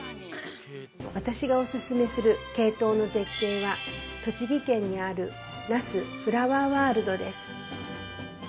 ◆私がお勧めするケイトウの絶景は、栃木県にある那須フラワーワールドです。